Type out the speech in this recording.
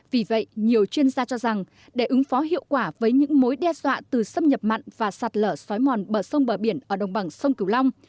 vì vậy nhiều chuyên gia cho rằng để ứng phó hiệu quả với những mối đe dọa từ xâm nhập mặn và sạt lở xói mòn bờ sông bờ biển ở đồng bằng sông cửu long